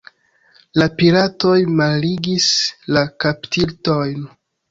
La piratoj malligis la kaptitojn.